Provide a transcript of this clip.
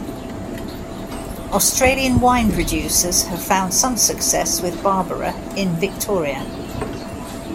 Australian wine producers have found some success with Barbera in Victoria.